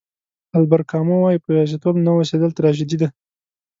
البر کامو وایي په یوازېتوب نه اوسېدل تراژیدي ده.